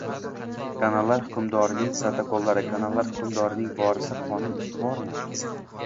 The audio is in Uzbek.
Kanallar hukmdori ning protokollari "kanallar hukmdori" ning vorisi qonun ustuvormi?